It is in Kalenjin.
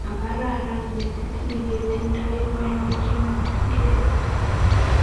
Makararan metit ni ketindet ngololchinikei